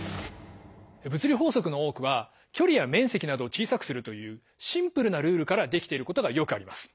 物理法則の多くは距離や面積などを小さくするというシンプルなルールから出来ていることがよくあります。